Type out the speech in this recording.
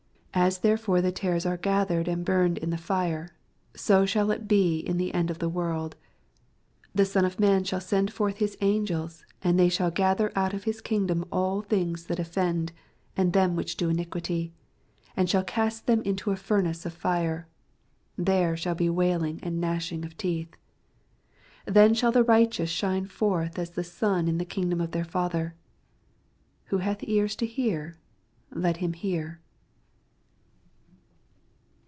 lo As therefore the tares are gath> ered and burned in the fire : so shall it be in the end of this world. 41 The Son of man shall send forth his anffels, and they shall eather oat of his Kingdom all things that offend, and them which do iniquity ; 42 And shall oast them mto a ftir nace of fire : there shall be wailing and gnashing of teeth. 48 Then snail the righteous shine forth as the sun in the kingdom of their Father. Who hath ears to hear, let him hear.